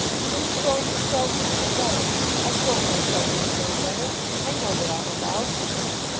"Who's throwing themselves into the gutter? I've thrown myself into no gutter. I know what I'm about."